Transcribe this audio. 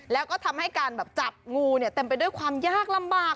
แล้วก็ทำให้การแบบจับงูเนี่ยเต็มไปด้วยความยากลำบาก